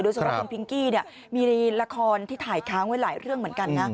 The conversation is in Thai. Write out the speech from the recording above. สำหรับคุณพิงกี้เนี่ยมีในละครที่ถ่ายค้างไว้หลายเรื่องเหมือนกันนะ